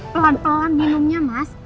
pelan pelan minumnya mas